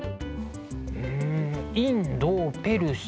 うんインドペルシャ